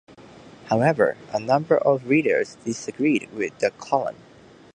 However, a number of readers disagreed with the column.